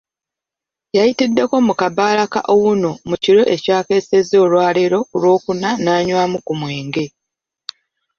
Yayitiddeko mu Kabaala ka Auno mu kiro ekyakeesezza olwaleero ku Lwokuna nanywamu ku mwenge.